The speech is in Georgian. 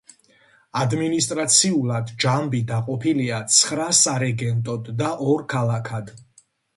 ადმინისტრაციულად ჯამბი დაყოფილია ცხრა სარეგენტოდ და ორ ქალაქად.